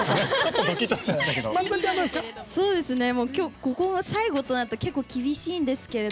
ここの最後となるとちょっと厳しいんですけど。